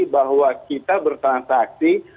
bahwa kita bertransaksi